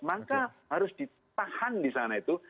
maka harus ditahan di sana itu